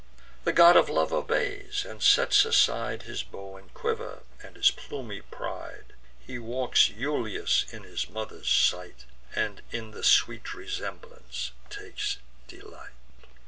The God of Love obeys, and sets aside His bow and quiver, and his plumy pride; He walks Iulus in his mother's sight, And in the sweet resemblance takes delight.